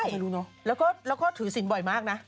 ใช่แล้วก็ถือสินบ่อยมากนะ